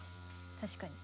確かに。